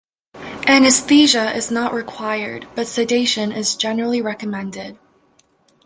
Anesthesia is not required, but sedation is generally recommended.